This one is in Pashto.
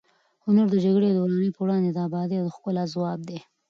هنر د جګړې او ورانۍ پر وړاندې د ابادۍ او ښکلا ځواب دی.